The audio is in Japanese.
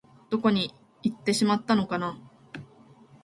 どこかにいってしまったのかな